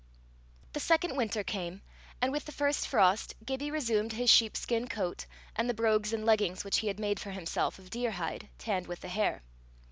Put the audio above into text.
The second winter came, and with the first frost Gibbie resumed his sheepskin coat and the brogues and leggings which he had made for himself of deer hide tanned with the hair.